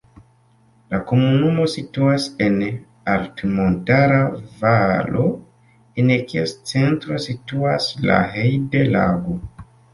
La komunumo situas en altmontara valo en kies centro situas la Heide-Lago.